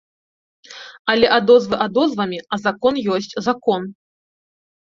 Але адозвы адозвамі, а закон ёсць закон.